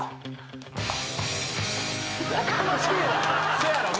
せやろな。